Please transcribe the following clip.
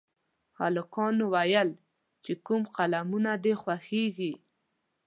هلکانو ویل چې کوم فلمونه دي خوښېږي